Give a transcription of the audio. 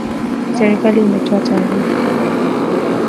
Serikali imetoa taarifa